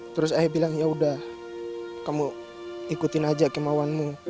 terus ayah bilang yaudah kamu ikutin aja kemauanmu